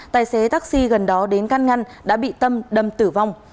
tài xế taxi gần đó đến can ngăn đã bị tâm đâm tử vong